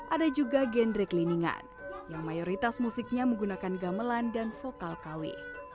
ada juga gendrek liningan yang mayoritas musiknya menggunakan gamelan dan vokal kawi